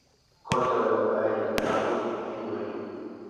Colto dalla malaria a Napoli, vi morì.